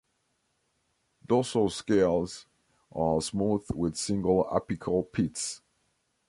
Dorsal scales are smooth with single apical pits.